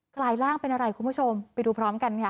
ลายร่างเป็นอะไรคุณผู้ชมไปดูพร้อมกันค่ะ